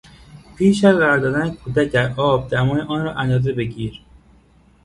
پیش از قرار دادن کودک در آب دمای آن را اندازه بگیر.